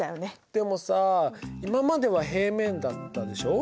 でもさ今までは平面だったでしょ。